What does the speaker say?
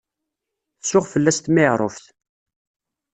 Tsuɣ fell-as tmiɛruft.